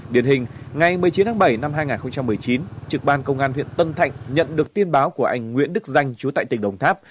điển hình ngày một mươi chín tháng bảy năm hai nghìn một mươi chín trực ban công an huyện tân thạnh nhận được tin báo của anh nguyễn đức danh chú tại tỉnh đồng tháp